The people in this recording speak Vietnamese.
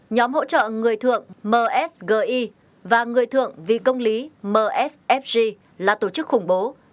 nhóm hỗ trợ người thượng msgi và người thượng vì công lý msfg là tổ chức khủng bố